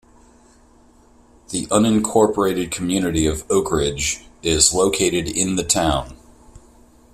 The unincorporated community of Oakridge is located in the town.